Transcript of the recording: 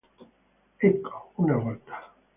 Ecco, una volta.